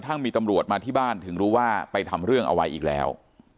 ถ้ามีตำรวจมาที่บ้านถึงรู้ว่าไปทำเรื่องเอาไว้อีกแล้ว